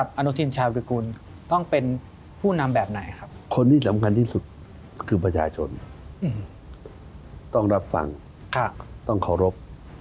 คนที่สำคัญที่สุดคือประจาชนต้องรับฟังต้องเคารพ